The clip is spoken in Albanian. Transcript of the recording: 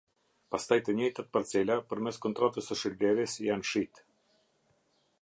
Pastaj të njëjtat parcela, përmes kontratës së shitblerjes janë shit.